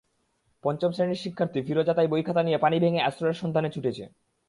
পঞ্চম শ্রেণির শিক্ষার্থী ফিরোজা তাই বইখাতা নিয়ে পানি ভেঙে আশ্রয়ের সন্ধানে ছুটেছে।